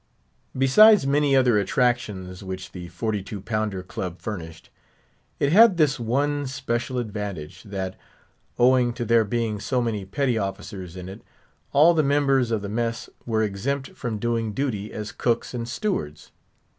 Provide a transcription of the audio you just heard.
Besides many other attractions which the Forty two pounder Club furnished, it had this one special advantage, that, owing to there being so many petty officers in it, all the members of the mess were exempt from doing duty as cooks and stewards.